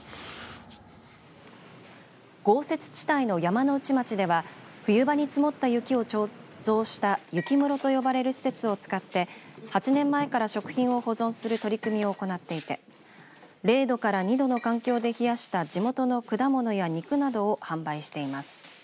豪雪地帯の山ノ内町では冬場に積もった雪を貯蔵した雪室と呼ばれる施設を使って８年前から食品を保存する取り組みを行っていて０度から２度の環境で冷やした地元の果物や肉などを販売しています。